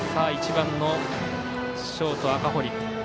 １番のショート、赤堀。